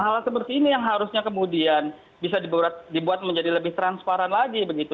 hal hal seperti ini yang harusnya kemudian bisa dibuat menjadi lebih transparan lagi begitu